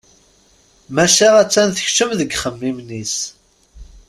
Maca a-tt-an tekcem deg yixemmimen-is.